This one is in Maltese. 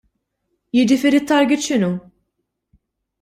Jiġifieri t-target x'inhu?